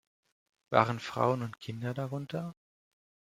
Waren Frauen und Kinder darunter?